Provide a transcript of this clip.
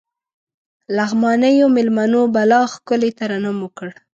لغمانيو مېلمنو بلا ښکلی ترنم وکړ.